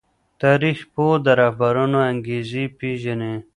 تاريخ پوه د رهبرانو انګېزې پېژني.